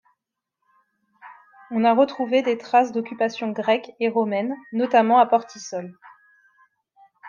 On a retrouvé des traces d'occupation grecque et romaine, notamment à Portissol.